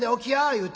言うて。